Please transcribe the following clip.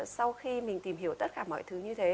sau khi mình tìm hiểu tất cả mọi thứ như thế